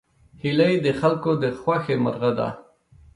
هیلۍ د خلکو د خوښې مرغه ده